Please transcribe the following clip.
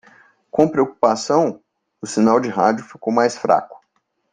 Com preocupação?, o sinal de rádio ficou mais fraco.